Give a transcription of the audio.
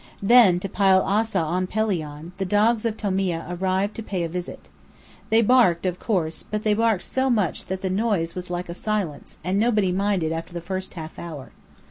Then, to pile Ossa on Pelion, the dogs of Tomieh arrived to pay a visit. They barked, of course; but they barked so much that the noise was like a silence, and nobody minded after the first half hour.